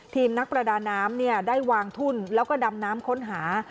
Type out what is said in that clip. ทีมนักประดาน้ำได้วางทุ่นแล้วก็ดำน้ำค้นหา